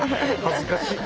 恥ずかしい！